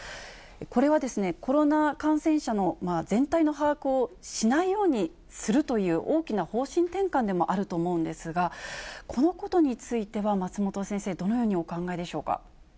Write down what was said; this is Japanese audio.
これはコロナ感染者の全体の把握をしないようにするという、大きな方針転換でもあると思うんですが、このことについては松本先生、どのようにお考えでしょうか。